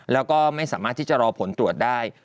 แล้วก็ไม่สามารถที่จะรอผลตรวจได้